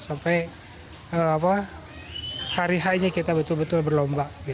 sampai hari harinya kita betul betul berlomba